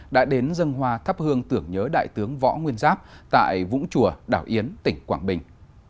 đã đến dân hoa thắp hương tưởng nhớ đại tướng võ nguyên giáp tại vũng chùa đảo yến tỉnh quảng bình